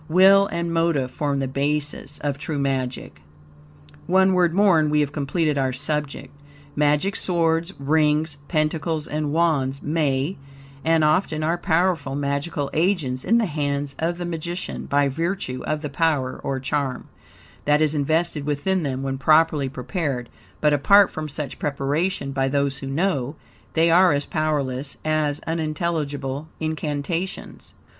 Will and motive form the basis of true magic. One word more and we have completed our subject. Magic swords, rings, pentacles, and wands, may, and often are powerful magical agents in the hands of the magician, by virtue of the power, or charm, that is invested within them when properly prepared; but apart from such preparation, by those who know, they are as powerless as unintelligible incantations.